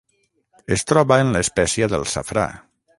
Es troba en l'espècia del safrà.